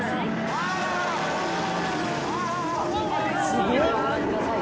◆右手をご覧ください。